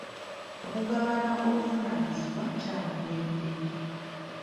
Okugabana obuvunaanyizibwa kyanguya emirimu.